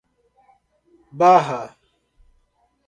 Barra